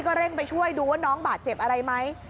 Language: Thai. เร่งไปช่วยดูว่าน้องบาดเจ็บอะไรไหม